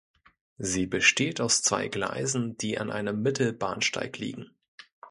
Sie besteht aus zwei Gleisen, die an einem Mittelbahnsteig liegen.